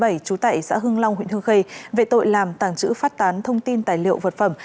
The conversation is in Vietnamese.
trú tại xã hương long huyện hương khê về tội làm tàng trữ phát tán thông tin tài liệu vật phẩm